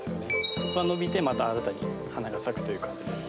そこから伸びて、また新たに花が咲くという感じです。